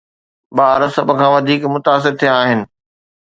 ٻار سڀ کان وڌيڪ متاثر ٿيا آهن